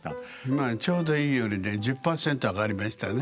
今はちょうどいいよりね１０％上がりましたね。